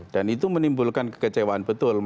dan itu menimbulkan kekecewaan betul